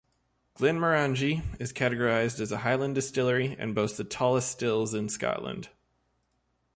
Glenmorangie is categorised as a Highland distillery and boasts the tallest stills in Scotland.